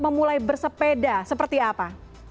memulai bersepeda seperti apa